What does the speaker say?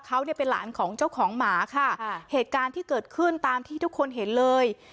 เขาเนี่ยเป็นหลานของเจ้าของหมาค่ะเหตุการณ์ที่เกิดขึ้นตามที่ทุกคนเห็นเลย